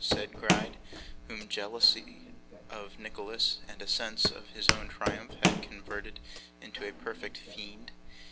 said Gride, whom jealousy of Nicholas and a sense of his own triumph had converted into a perfect fiend.